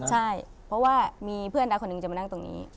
ใช่เพราะว่ามีเพื่อนรักคนหนึ่งจะมานั่งตรงนี้